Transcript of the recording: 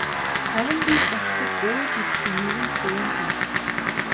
Харин би зочдод ууж идэх юмыг нь зөөнө гэнэ.